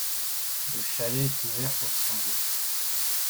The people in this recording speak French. Le chalet est ouvert pour se changer.